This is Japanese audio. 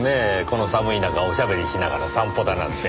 この寒い中お喋りしながら散歩だなんて。